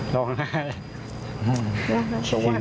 ลองไหน